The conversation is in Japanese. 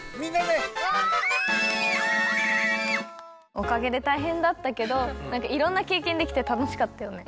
おかげでたいへんだったけどなんかいろんなけいけんできてたのしかったよね。